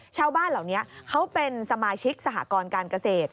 ชาวบ้านเหล่านี้เขาเป็นสมาชิกสหกรการเกษตร